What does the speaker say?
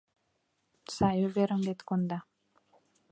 Сай уверым вет конда: